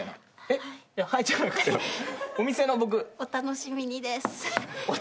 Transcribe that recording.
お楽しみにです。